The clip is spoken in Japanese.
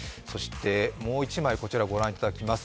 もう１枚、こちらご覧いただきます。